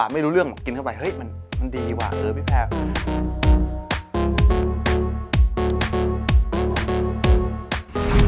ไม่รู้เรื่องกินเข้าไปเฮ้ยมันดีดีจะว่า